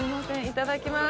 いただきます。